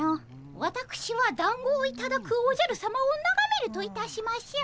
わたくしはだんごをいただくおじゃるさまをながめるといたしましょう。